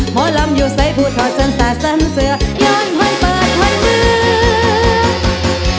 หมอลำอยู่ใส่ผู้ทอดสนสามเสือย้อนฮันเปิดฮันนึก